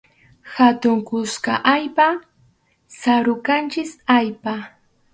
Hatun kuska allpa, sarusqanchik allpa.